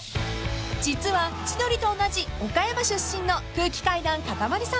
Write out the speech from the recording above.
［実は千鳥と同じ岡山出身の空気階段かたまりさん］